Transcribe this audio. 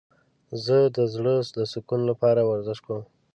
زه د زړه د سکون لپاره ورزش کوم.